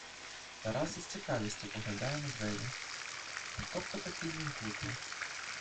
Тарас із цікавістю поглядає на двері — хто б то такий міг бути?